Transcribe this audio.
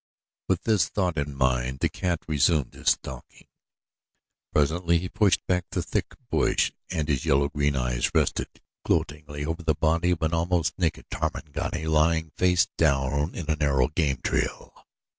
With this thought in mind the cat resumed his stalking. Presently he pushed through the thick bush and his yellow green eyes rested gloatingly upon the body of an almost naked Tarmangani lying face down in a narrow game trail.